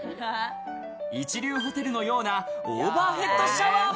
一流ホテルのようなオーバーヘッドシャワーも。